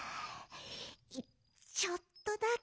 ちょっとだけ。